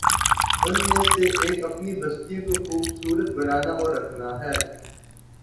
ان میں سے ایک اپنی بستیوں کو خوب صورت بنانا اور رکھنا ہے۔